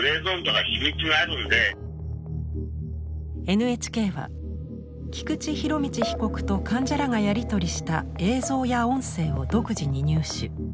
ＮＨＫは菊池仁達被告と患者らがやり取りした映像や音声を独自に入手。